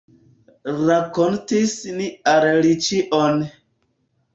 Rakontis ni al li ĉion.